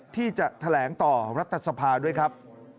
ที่จะแถลงต่อของรัฐศัพท์ด้วยครับ